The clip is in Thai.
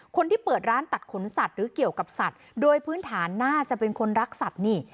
คนที่เปิดร้านตัดขนสัตว์หรือเกี่ยวกับสัตว์โดยพื้นฐานน่าจะเป็นคนรักสัตว์นี่